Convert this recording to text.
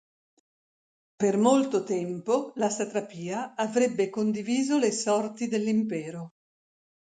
Per molto tempo la satrapia avrebbe condiviso le sorti dell'impero.